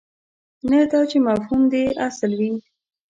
نه دا چې مفهوم دې اصل وي.